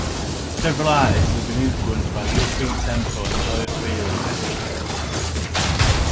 Several artists have been influenced by the upbeat tempo and joyous feel of "Escapade".